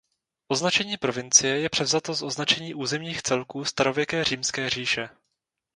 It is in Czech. Označení provincie je převzato z označení územních celků starověké Římské říše.